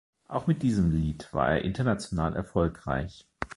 Auch mit diesem Lied war er international erfolgreich.